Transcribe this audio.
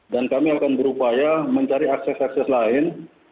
dan kami akan berupaya mencari akses akses lain